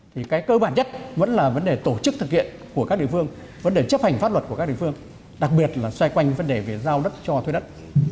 thì cái cơ bản nhất vẫn là vấn đề tổ chức thực hiện của các địa phương vấn đề chấp hành pháp luật của các địa phương đặc biệt là xoay quanh vấn đề về giao đất cho thuê đất